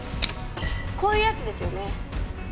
こういうやつですよね。